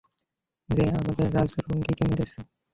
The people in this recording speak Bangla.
যে আমাদের বাজরঙ্গীকে মেরেছে।